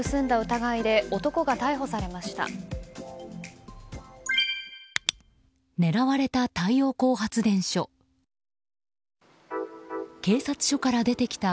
疑いで男が逮捕されました。